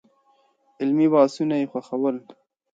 علمي بحثونه يې خوښول.